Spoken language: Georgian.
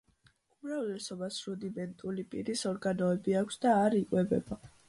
უმრავლესობას რუდიმენტული პირის ორგანოები აქვს და არ იკვებება.